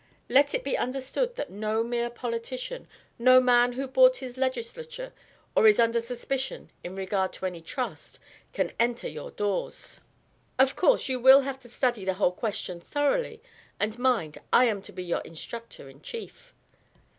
Let it be understood that no mere politician, no man who bought his legislature or is under suspicion in regard to any Trust, can enter your doors. Of course you will have to study the whole question thoroughly; and mind, I am to be your instructor in chief."